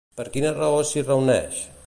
Per quina raó s'hi reuneix?